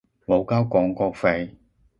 冇交廣告費